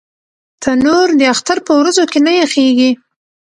تنور د اختر پر ورځو کې نه یخېږي